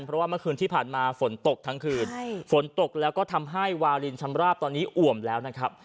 เพราะว่าเมื่อคืนที่ผ่านมาฝนตกทั้งคืนฝนตกแล้วก็ทำให้วาลินชำราบตอนนี้อ่วมแล้วนะครับ